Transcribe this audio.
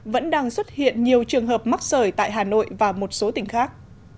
vẫn đang xuất hiện nhiều trường hợp mắc sởi tại hà nội và một số tỉnh khác